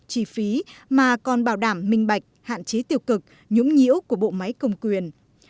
trì phí mà còn bảo đảm minh bạch hạn chế tiêu cực nhũng nhũ của bộ máy công quyền